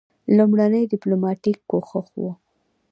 لومړنی ډیپلوماټیک کوښښ وو.